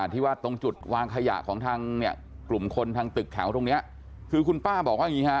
ที่ว่าตรงจุดวางขยะของทางเนี่ยกลุ่มคนทางตึกแถวตรงเนี้ยคือคุณป้าบอกว่าอย่างงี้ฮะ